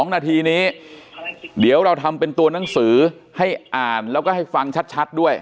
๒นาทีนี้เดี๋ยวเราทำเป็นตัวหนังสือให้อ่านแล้วก็ให้ฟังชัดด้วย